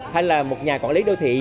hay là một nhà quản lý đô thị